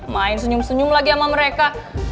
main senyum senyum lagi sama mereka